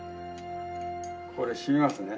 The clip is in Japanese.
これ締めますね。